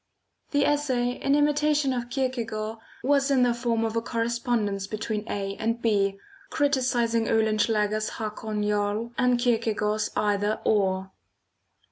The essay, in imitation of Kierkegaard, was in the form of a correspondence between A and B, criticising Oehlenschläger's Hakon Jarl and Kierkegaard's Either Or.